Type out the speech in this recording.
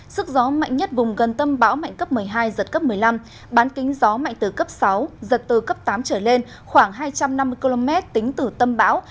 sức gió mạnh nhất vùng gần tâm bão mạnh cấp một mươi hai giật cấp một mươi năm bán kính gió mạnh từ cấp sáu giật từ cấp tám trở lên khoảng hai trăm năm mươi km tính từ tâm bão